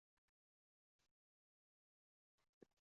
Ukamni bagʻriga bosgancha, ancha vaqt oʻsha yerda yigʻladi.